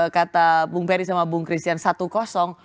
kata bung peri sama bung christian satu kosong